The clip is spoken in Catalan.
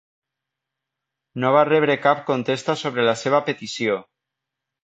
No va rebre cap contesta sobre la seva petició.